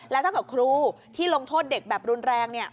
แล้วถ้าเกิดครูที่ลงโทษเด็กแบบรุนแรงเนี่ย